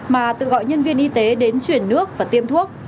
mà tự gọi nhân viên y tế đến chuyển nước và tiêm thuốc